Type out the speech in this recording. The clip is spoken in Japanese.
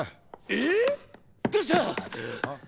えぇ⁉どうしたぁ！